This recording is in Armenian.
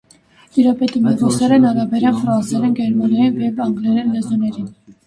Տիրապետում է ռուսերեն, արաբերեն, ֆրանսերեն, գերմաներեն և անգլերեն լեզուներին։